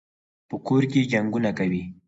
په کور کي جنګونه کوي.